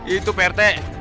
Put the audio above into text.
itu pak rete